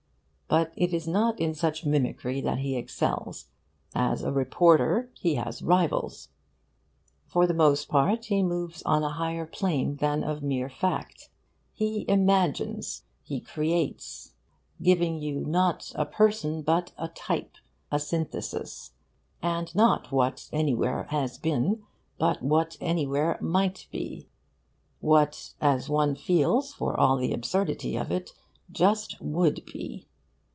But it is not in such mimicry that he excels. As a reporter he has rivals. For the most part, he moves on a higher plane that of mere fact: he imagines, he creates, giving you not a person, but a type, a synthesis, and not what anywhere has been, but what anywhere might be what, as one feels, for all the absurdity of it, just would be.